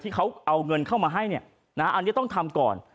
ที่เขาเอาเงินเข้ามาให้อันนี้ต้องทำก่อน